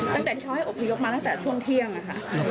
ตั้งแต่ที่เขาให้อบพยพมาตั้งแต่ช่วงเที่ยงอะค่ะ